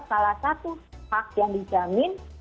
salah satu hak yang dijamin